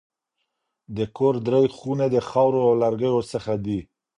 د کور درې خونې د خاورو او لرګیو څخه دي.